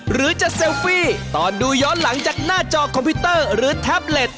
หรือจะเซลฟี่ตอนดูย้อนหลังจากหน้าจอคอมพิวเตอร์หรือแท็บเล็ต